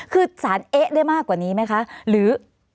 คือสารเอ๊ะได้มากกว่านี้ไหมคะหรือ